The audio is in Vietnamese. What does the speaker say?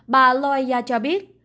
bà loya cho biết